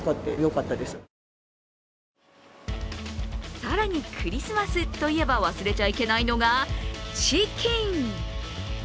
更に、クリスマスといえば忘れちゃいけないのがチキン。